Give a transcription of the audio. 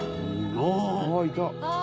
「あっいた！」